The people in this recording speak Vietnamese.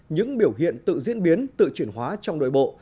những biểu hiện tự diễn biến tự chuyển hóa trong đội bộ